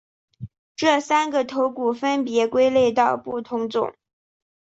这三个头骨分别归类到不同种。